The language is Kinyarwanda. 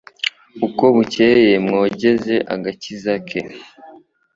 Uko bukeye mwogeze agakiza ke